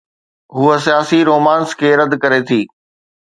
هوءَ سياسي رومانس کي رد ڪري ٿي.